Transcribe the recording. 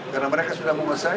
karena mereka sudah memasai